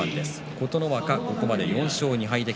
琴ノ若、ここまで４勝２敗。